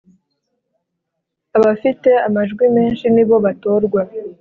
abafite amajwi menshi nibo batorwa